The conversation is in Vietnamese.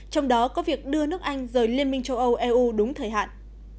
trong đó có việc đưa nước anh rời liên minh châu âu eu đúng thời hạn